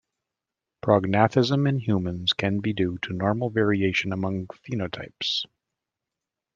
Prognathism in humans can be due to normal variation among phenotypes.